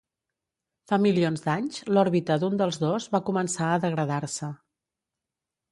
Fa milions d'anys, l'òrbita d'un dels dos va començar a degradar-se.